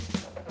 rum kemana lu